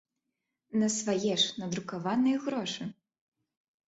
На свае ж, надрукаваныя грошы!